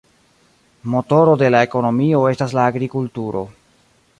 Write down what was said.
Motoro de la ekonomio estas la agrikulturo.